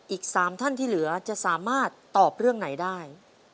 อีก๓ท่านที่เหลือจะสามารถตอบเรื่องไหนได้